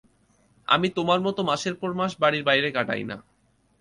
আমি তোমার মতো মাসের পর মাস বাড়ির বাইরে কাটাই না!